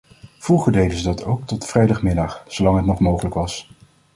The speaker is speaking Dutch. Vroeger deden ze dat ook tot vrijdagmiddag, zolang het nog mogelijk was.